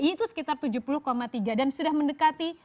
itu sekitar tujuh puluh tiga dan sudah mendekati